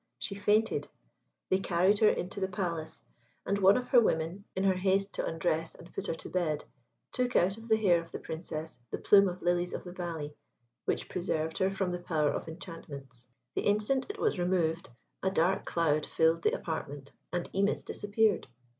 She fainted; they carried her into the Palace, and one of her women, in her haste to undress and put her to bed, took out of the hair of the Princess the plume of lilies of the valley which preserved her from the power of enchantments. The instant it was removed a dark cloud filled the apartment, and Imis disappeared.